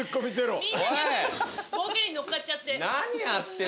ボケに乗っかっちゃって。